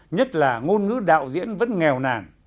nhất là ngôn ngữ đạo diễn vẫn nghèo nàn